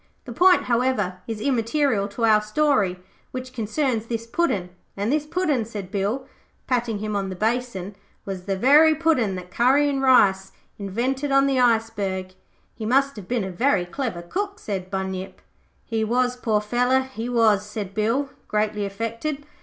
The point, however, is immaterial to our story, which concerns this Puddin'; and this Puddin',' said Bill patting him on the basin, 'was the very Puddin' that Curry and Rice invented on the iceberg.' 'He must have been a very clever cook,' said Bunyip. 'He was, poor feller, he was,' said Bill, greatly affected.